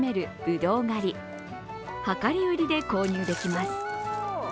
量り売りで購入できます。